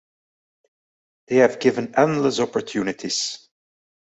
They have given endless opportunities.